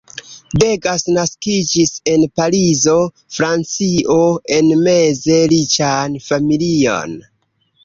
Degas naskiĝis en Parizo, Francio, en meze riĉan familion.